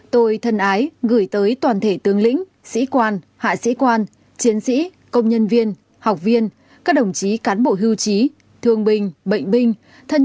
tôi thân ái gửi tới toàn thể tướng lĩnh sĩ quan hạ sĩ quan chiến sĩ công nhân viên học viên các đồng chí cán bộ hưu trí thương binh bệnh binh